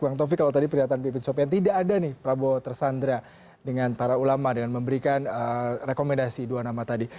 bang taufik kalau tadi pernyataan pipin sopian tidak ada nih prabowo tersandra dengan para ulama dengan memberikan rekomendasi dua nama tadi